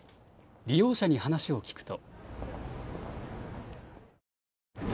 利用者に話を聞くと。